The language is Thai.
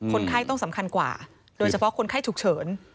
คนไข้ต้องสำคัญกว่าโดยเฉพาะคนไข้ฉุกเฉิน